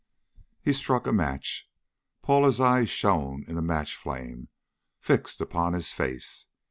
He struck a match. Paula's eyes shone in the match flame, fixed upon his face.